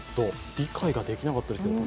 理解ができなかったですけど。